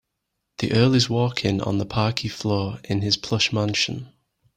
The earl is walking on the parquet floor in his plush mansion.